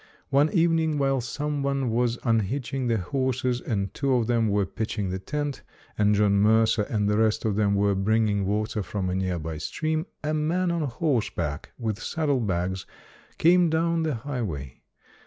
One evening while some one was unhitching the horses, and two of them were pitching the tent, and John Mercer and the rest of them were bring ing water from a nearby stream, a man on horse back with saddle bags came down the highway.